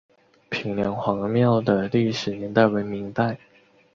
平凉隍庙的历史年代为明代。